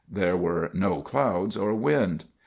There were no clouds or wind.